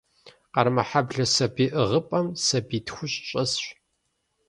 Къармэхьэблэ сабий ӏыгъыпӏэм сабий тхущӀ щӀэсщ.